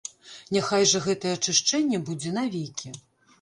Няхай жа гэтае ачышчэнне будзе навекі.